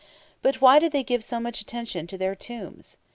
But why did they give so much attention to their tombs?